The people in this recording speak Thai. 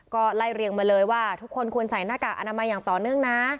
ก็ไล่เรียงมาเลยว่าทุกคนควรใส่หน้ากากอนามัยอย่างต่อเนื่องนะ